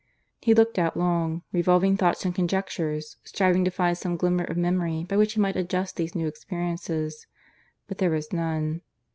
He looked out long, revolving thoughts and conjectures, striving to find some glimmer of memory by which he might adjust these new experiences; but there was none.